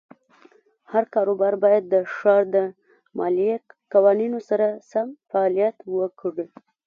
هر کاروبار باید د ښار د مالیې قوانینو سره سم فعالیت وکړي.